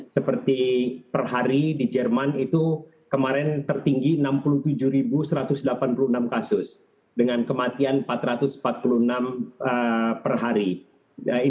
seperti per hari di jerman itu kemarin tertinggi enam puluh tujuh satu ratus delapan puluh enam kasus dengan kematian empat ratus empat puluh enam per hari